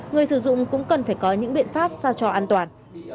người sử dụng cũng cần phải có những biện pháp sao cho an toàn